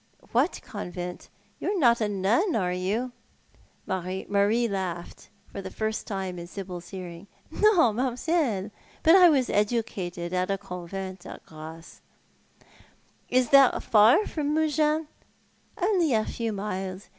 " What convent ? You are not a nun, are yon ?" Marie laughed, for the first time in Sibyl's hearing. "No, mam'selle, but I was educated at a convent at Grasse." " Is that far from Mougins ?"" Only a few miles.